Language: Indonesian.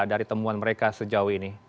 dari temuan mereka sejauh ini